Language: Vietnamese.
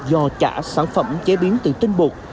do chả sản phẩm chế biến từ tinh bột